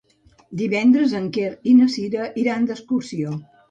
Divendres en Quer i na Cira iran d'excursió.